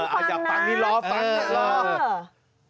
เราก็ต้องฟังนะฟังนี่ล้อฟังนะ